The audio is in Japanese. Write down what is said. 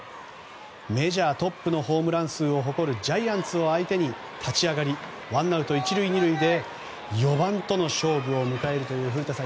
メジャーリーグトップのホームラン数を誇るジャイアンツを相手にワンアウト１塁２塁で４番との勝負を迎えるという古田さん